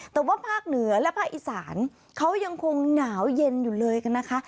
แต่ว่าภาคเหนือและภาคอีสานเขายังคงหนาวเย็นอยู่เลยนะคะ